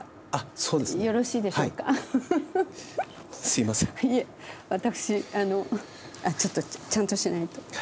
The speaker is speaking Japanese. いえ私あのあっちょっとちゃんとしないと。